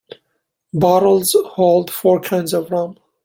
Bottles hold four kinds of rum.